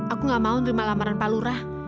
aku gak mau nerima lamaran pak lurah